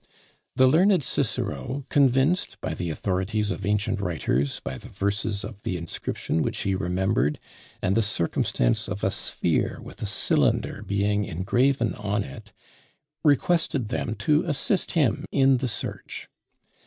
The learned Cicero, convinced by the authorities of ancient writers, by the verses of the inscription which he remembered, and the circumstance of a sphere with a cylinder being engraven on it, requested them to assist him in the search.